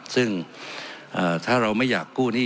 ซึ่งถ้าเราไม่อยากกู้หนี้